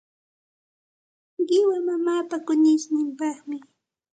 Qiwa mamaapa kunishninpaqmi.